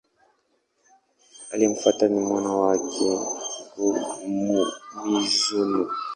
Aliyemfuata ni mwana wake, Go-Mizunoo.